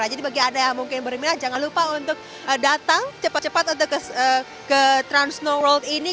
jadi bagi anda yang mungkin berminat jangan lupa untuk datang cepat cepat untuk ke transnoworld ini